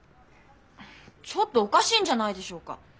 ちょっとおかしいんじゃないでしょうか。